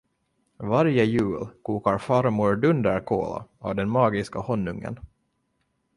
Varje jul kokar Farmor dunderkola av den magiska honungen.